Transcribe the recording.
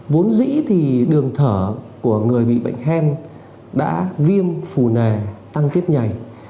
vốn dĩ thì đường thở của người bị bệnh hen đã viêm phù nề tăng kết nhảy